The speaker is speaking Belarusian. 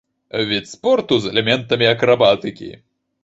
Від спорту з элементамі акрабатыкі.